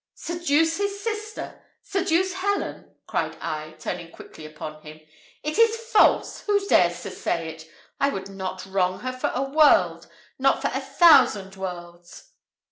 "Seduce his sister! seduce Helen!" cried I, turning quickly upon him. "It is false! Who dares to say it? I would not wrong her for a world not for a thousand worlds!"